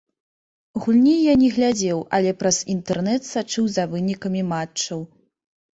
Гульні я не глядзеў, але праз інтэрнэт сачыў за вынікамі матчаў.